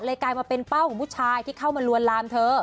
กลายมาเป็นเป้าของผู้ชายที่เข้ามาลวนลามเธอ